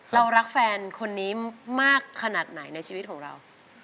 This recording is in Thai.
เรารักแฟนคนนี้มากขนาดไหนในชีวิตของเรา